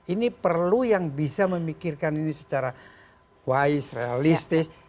ini perlu yang bisa memikirkan ini secara wise realistis